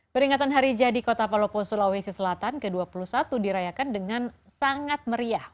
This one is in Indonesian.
peringatan hari jadi kota palopo sulawesi selatan ke dua puluh satu dirayakan dengan sangat meriah